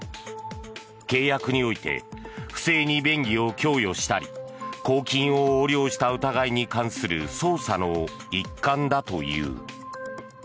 契約において不正に便宜を供与したり公金を横領した疑いに関する捜査の一環だという。